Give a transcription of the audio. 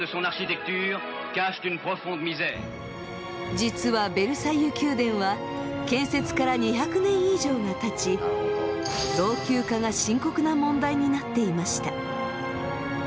実はベルサイユ宮殿は建設から２００年以上がたち老朽化が深刻な問題になっていました。